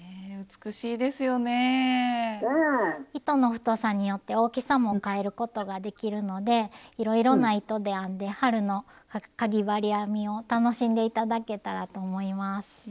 糸の太さによって大きさもかえることができるのでいろいろな糸で編んで春のかぎ針編みを楽しんで頂けたらと思います。